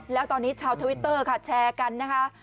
แล้วตอนนี้ชาวทวิตเตอร์ค่ะแชร์กันนะคะ